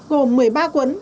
gồm một mươi ba quấn